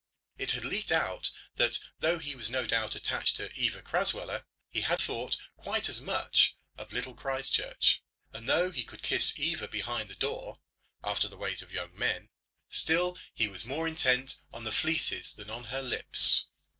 It had leaked out that though he was no doubt attached to Eva Crasweller, he had thought quite as much of Little Christchurch; and though he could kiss Eva behind the door, after the ways of young men, still he was more intent on the fleeces than on her lips.